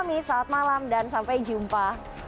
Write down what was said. kami saat malam dan sampai jumpa